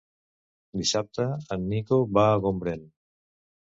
Dissabte en Nico va a Gombrèn.